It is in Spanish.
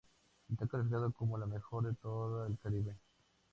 Está calificada como la mejor de todo el Caribe.